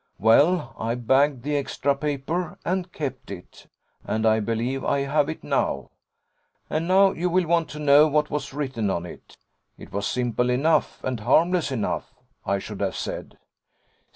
Well, I bagged the extra paper, and kept it, and I believe I have it now. And now you will want to know what was written on it. It was simple enough, and harmless enough, I should have said.